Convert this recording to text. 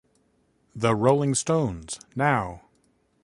The Rolling Stones, Now!